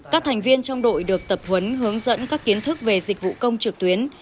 các thành viên trong đội được tập huấn hướng dẫn các kiến thức về dịch vụ công trực tuyến